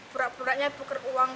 pura puranya buker uang